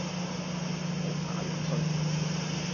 唔好怕樣衰